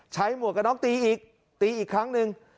หมวกกระน็อกตีอีกตีอีกครั้งหนึ่ง